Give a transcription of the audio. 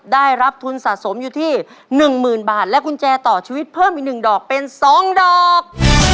ได้รับทุนสะสมอยู่ที่๑๐๐๐บาทและกุญแจต่อชีวิตเพิ่มอีก๑ดอกเป็น๒ดอก